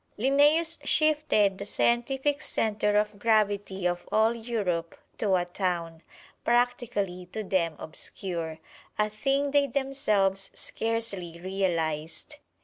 Linnæus shifted the scientific center of gravity of all Europe to a town, practically to them obscure, a thing they themselves scarcely realized.